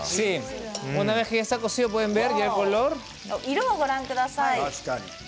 色をご覧ください。